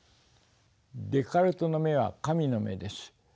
デカルトの目は神の目です。